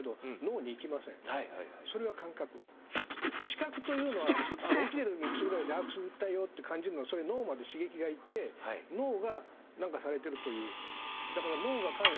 「知覚」というのは起きてる時にくすぐられてくすぐったいよと感じるのがそれ脳まで刺激が行って脳が何かされてるという。